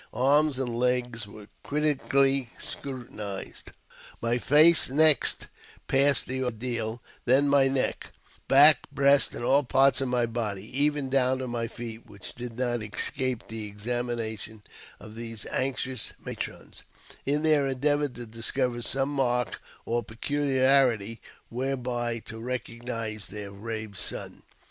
Arms and legs were critically scrutinized. My face next passed the ordeal ; then my neck, back, breast, and all parts of my body, even down to my feet, which did not escape the examination of these anxious matrons, in their endeavours to discover some mark or peculiarity whereby to recognize their brave son.